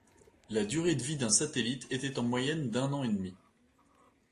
La durée de vie d'un satellite était en moyenne d'un an et demi.